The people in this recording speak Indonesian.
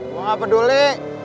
gue gak peduli